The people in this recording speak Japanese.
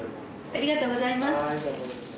ありがとうございます。